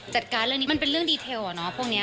จัดการเรื่องนี้มันเป็นเรื่องดีเทลอ่ะเนาะพวกนี้